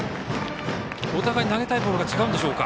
お互いに投げたいボールが違うんでしょうか。